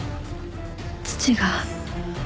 父が？